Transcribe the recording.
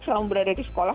selalu berada di sekolah